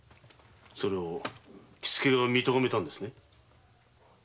それを喜助が見とがめたんですね？